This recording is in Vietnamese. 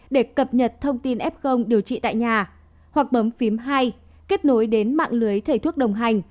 để cập nhật thông tin f điều trị tại nhà hoặc bấm phím hai kết nối đến mạng lưới thầy thuốc đồng hành